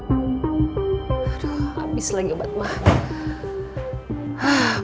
aduh abis lagi batmah